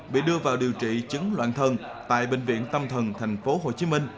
bị đưa vào điều trị chứng loạn thân tại bệnh viện tâm thần thành phố hồ chí minh